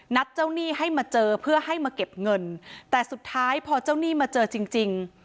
เจ้าหนี้ให้มาเจอเพื่อให้มาเก็บเงินแต่สุดท้ายพอเจ้าหนี้มาเจอจริงจริง